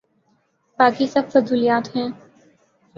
باقی سب فضولیات ہیں۔